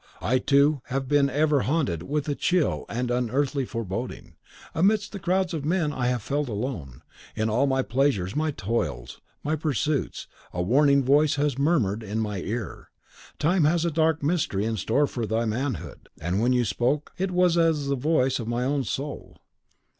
I, too, have been ever haunted with a chill and unearthly foreboding. Amidst the crowds of men I have felt alone. In all my pleasures, my toils, my pursuits, a warning voice has murmured in my ear, 'Time has a dark mystery in store for thy manhood.' When you spoke, it was as the voice of my own soul."